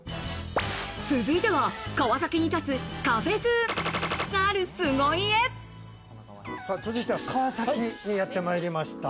続いては川崎に立つ、カフェ続いては川崎にやってまいりました。